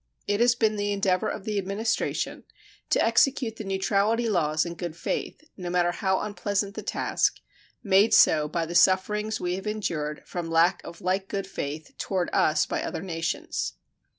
It has been the endeavor of the Administration to execute the neutrality laws in good faith, no matter how unpleasant the task, made so by the sufferings we have endured from lack of like good faith toward us by other nations.